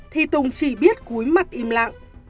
thì tùng chỉ biết cúi mặt im lặng